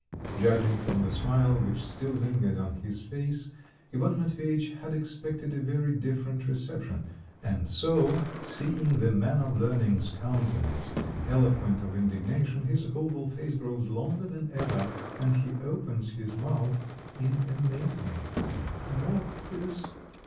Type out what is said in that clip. Judging from the smile which still lingered on his face Ivan Matveyitch had expected a very different reception, and so, seeing the man of learning's countenance eloquent of indignation, his oval face grows longer than ever, and he opens his mouth in amazement. "What is